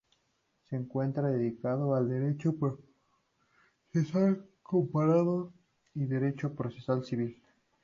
Se encuentra dedicado al Derecho Procesal Comparado y Derecho Procesal Civil.